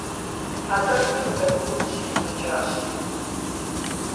А тӀэкӀуми къызэрымыкӀуэу дыщыгуфӀыкӀащ.